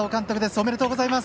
おめでとうございます。